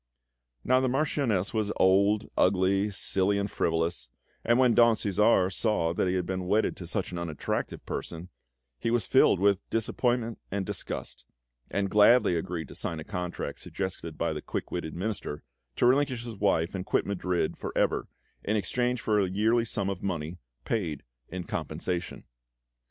Now, the Marchioness was old, ugly, silly, and frivolous, and when Don Cæsar saw that he had been wedded to such an unattractive person, he was filled with disappointment and disgust, and gladly agreed to sign a contract suggested by the quick witted Minister to relinquish his wife and quit Madrid for ever in exchange for a yearly sum of money paid in compensation.